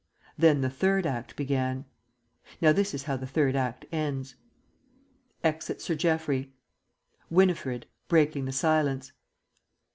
Then the Third Act began.... Now this is how the Third Act ends: Exit Sir Geoffrey. _Winifred (breaking the silence).